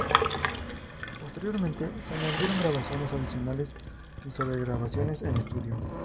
Posteriormente se añadieron grabaciones adicionales y sobregrabaciones en estudio.